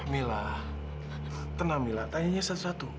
mila tenang mila tanyanya satu satu